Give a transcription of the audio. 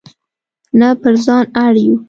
نه پر ځان اړ یو.